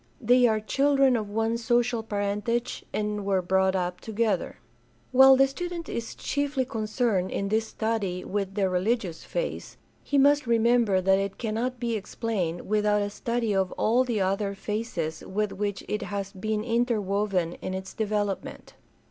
They are children of one social parentage and were brought up together. While the student is chiefly concerned in this study with the religious phase, he must remember that it cannot be explained without a study of all the other phases with which it has been interwoven in its development.